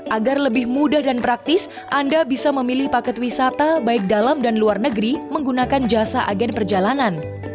agar lebih mudah dan praktis anda bisa memilih paket wisata baik dalam dan luar negeri menggunakan jasa agen perjalanan